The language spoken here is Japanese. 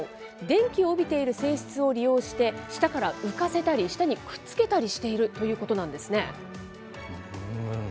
電気を帯びている性質を利用して、舌から浮かせたり、舌にくっつけたりしているということなんですね。